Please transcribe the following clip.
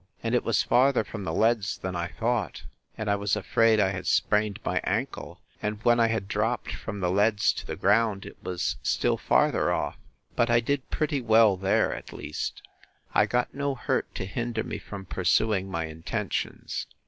And it was farther from the leads than I thought, and I was afraid I had sprained my ancle; and when I had dropt from the leads to the ground, it was still farther off; but I did pretty well there, at least. I got no hurt to hinder me from pursuing my intentions.